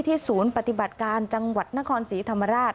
ศูนย์ปฏิบัติการจังหวัดนครศรีธรรมราช